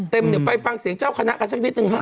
เต็มไปฟังเสียงเจ้าคณะกันสักนิดหนึ่ง